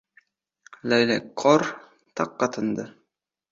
Laylakqor taqqa tindi.